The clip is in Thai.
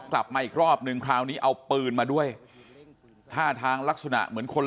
กลับมาอีกรอบนึงคราวนี้เอาปืนมาด้วยท่าทางลักษณะเหมือนคน